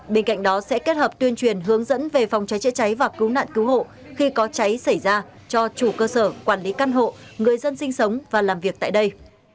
bên cạnh đó sẽ kết hợp tuyên truyền hướng dẫn về phòng cháy chữa cháy và cứu nạn cứu hộ khi có cháy xảy ra cho chủ cơ sở quản lý căn hộ người dân sinh sống và làm việc tại đây